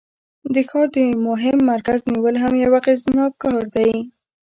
د ښار د مهم مرکز نیول هم یو اغیزناک کار دی.